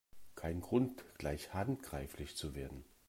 Kein Grund, gleich handgreiflich zu werden!